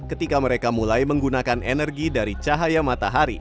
ketika mereka mulai menggunakan energi dari cahaya matahari